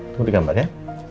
tunggu di kamar ya